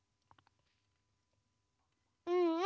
うんうん！